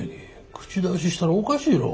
口出ししたらおかしいろ。